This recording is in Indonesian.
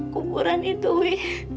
kuburan itu wi